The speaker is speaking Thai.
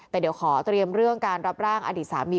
แต่เดี๋ยวขอเตรียมเรื่องการรับร่างอดีตสามี